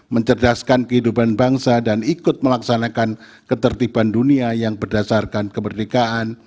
mencerdaskan kehidupan bangsa dan ikut melaksanakan ketertiban dunia yang berdasarkan kemerdekaan